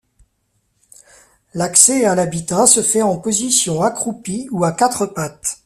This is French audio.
L'accès à l'habitat se fait en position accroupie ou à quatre pattes.